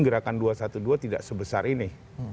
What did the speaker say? gerakan dua ratus dua belas tidak sebesar ini